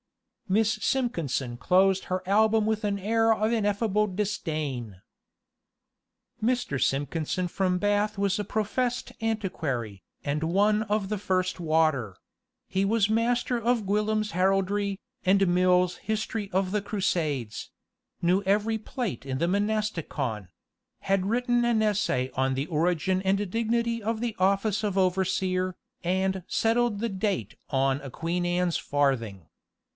Miss Simpkinson closed her album with an air of ineffable disdain. Mr. Simpkinson from Bath was a professed antiquary, and one of the first water; he was master of Gwillim's Heraldry, and Mill's History of the Crusades; knew every plate in the Monasticon; had written an essay on the origin and dignity of the office of overseer, and settled the date on a Queen Anne's farthing.